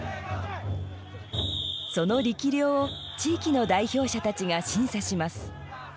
その力量を地域の代表者たちが審査します。